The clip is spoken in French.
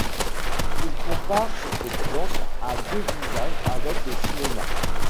Il compare cette plante à deux visages avec le cinéma.